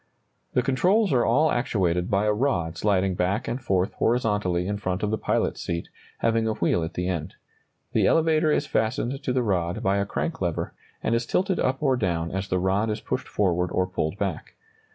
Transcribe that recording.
] The controls are all actuated by a rod sliding back and forth horizontally in front of the pilot's seat, having a wheel at the end. The elevator is fastened to the rod by a crank lever, and is tilted up or down as the rod is pushed forward or pulled back.